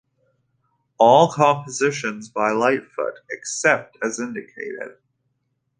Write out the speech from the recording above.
All compositions by Lightfoot except as indicated.